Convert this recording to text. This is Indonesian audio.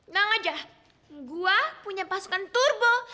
bang aja gue punya pasukan turbo